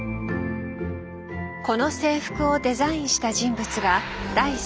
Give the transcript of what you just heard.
この制服をデザインした人物が第３の視点。